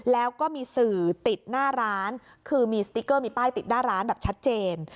แล้วก็มีสื่อติดหน้าร้านคือมีสติ๊กเกอร์มีป้ายติดหน้าร้านแบบชัดเจน